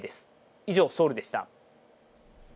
以上、ソウルでした。